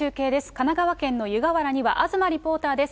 神奈川県の湯河原には東リポーターです。